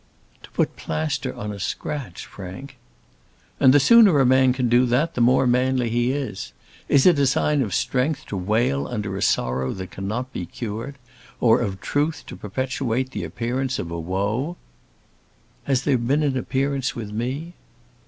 "To put a plaster on a scratch, Frank." "And the sooner a man can do that the more manly he is. Is it a sign of strength to wail under a sorrow that cannot be cured, or of truth to perpetuate the appearance of a woe?" "Has it been an appearance with me?"